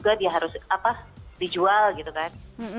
karena semua juga harus dijual gitu kan